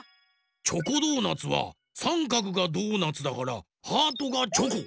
チョコドーナツはさんかくがドーナツだからハートがチョコ。